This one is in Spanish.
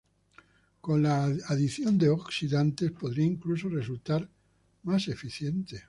Con la adición de oxidantes, podría incluso resultar más eficiente.